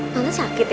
tante sakit ya